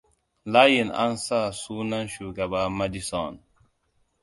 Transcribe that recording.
Layin an sa sunan Shugaba Madison.